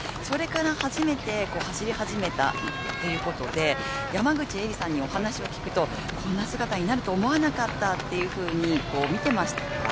それから初めて走り始めたということで山口衛里さんにお話を聞くとこんな姿になると思わなかったって見てました。